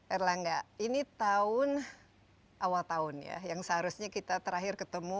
erlangga ini tahun awal tahun ya yang seharusnya kita terakhir ketemu